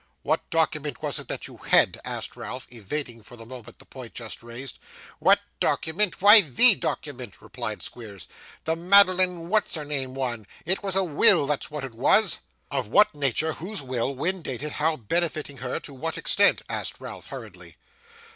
'What document was it that you had?' asked Ralph, evading, for the moment, the point just raised. 'What document? Why, THE document,' replied Squeers. 'The Madeline What's her name one. It was a will; that's what it was.' 'Of what nature, whose will, when dated, how benefiting her, to what extent?' asked Ralph hurriedly.